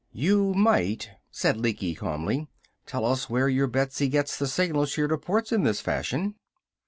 "You might," said Lecky calmly, "tell us from where your Betsy gets the signal she reports in this fashion."